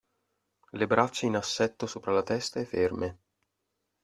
Le braccia in assetto sopra la testa e ferme.